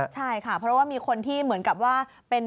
ใช่ค่ะเพราะว่ามีคนที่เหมือนกับว่าเป็น